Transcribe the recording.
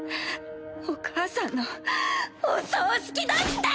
お母さんのお葬式だって！